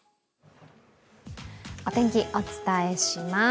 お天気、お伝えします。